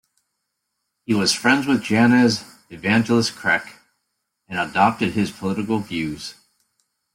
He was friends with Janez Evangelist Krek and adopted his political views.